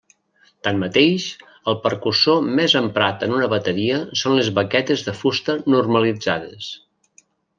Tanmateix, el percussor més emprat en una bateria són les baquetes de fusta normalitzades.